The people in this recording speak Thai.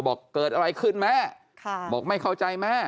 บอกเกิดอะไรขึ้นแม่บอกไม่เข้าใจแม่